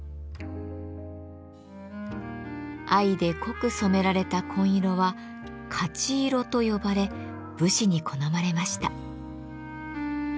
藍で濃く染められた紺色は「勝色」と呼ばれ武士に好まれました。